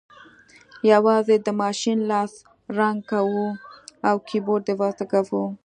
یوازې د ماشین لاس رنګ کوو او کیبورډ اضافه کوو